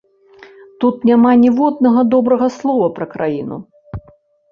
Тут няма ніводнага добрага слова пра краіну.